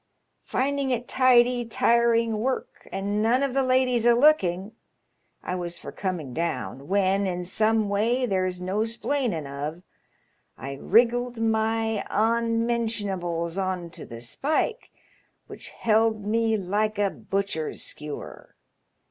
Finding it tidy tiring work, and none of the ladies a looking, I was for coming down, when, in some way there's no 'splaining of, I wriggled my onmention ables on to the spike, which held me like a butcher's skewer.